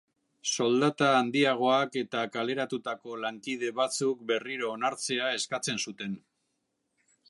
Soldata handiagoak eta kaleratutako lankide batzuk berriro onartzea eskatzen zuten.